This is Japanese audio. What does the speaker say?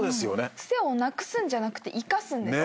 癖をなくすんじゃなくて生かすんですね。